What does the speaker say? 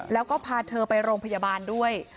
แล้วก็พาเธอไปโรงพยาบาลด้วย